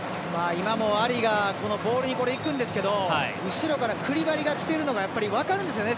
今もアリがボールにいくんですけど後ろからクリバリが来てるのが分かるんですよね